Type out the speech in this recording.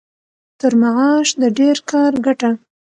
تر معاش د ډېر کار ګټه.